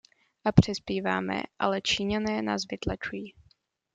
A přispíváme, ale Číňané nás vytlačují.